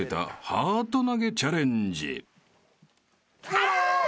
あ！